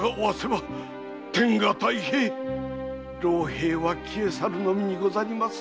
老兵は消え去るのみにござります。